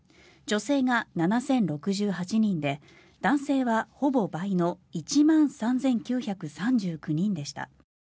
女性が７０６８人で男性はほぼ倍の１万３９３９人でした。